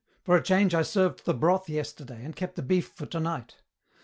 "For a change I served the broth yesterday and kept the beef for tonight.